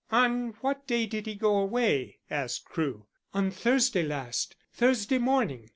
"On what day did he go away?" asked Crewe. "On Thursday last Thursday morning.